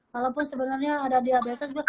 walaupun sebenarnya ada diabetes